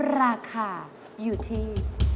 ราคาอยู่ที่